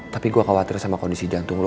tapi gue khawatir sama kondisi jantung lo